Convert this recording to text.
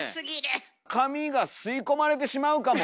髪が吸い込まれてしまうかも。